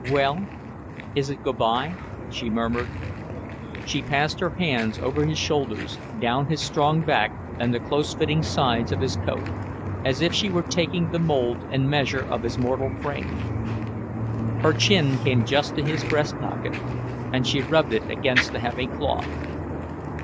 "Well, is it good bye?" she murmured. She passed her hands over his shoulders, down his strong back and the close fitting sides of his coat, as if she were taking the mould and measure of his mortal frame. Her chin came just to his breast pocket, and she rubbed it against the heavy cloth.